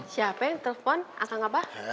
siapa yang telepon akang abah